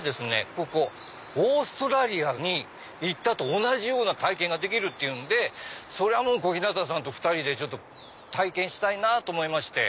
ここオーストラリアに行ったと同じような体験ができるっていうんでそりゃもう小日向さんと２人で体験したいなと思いまして。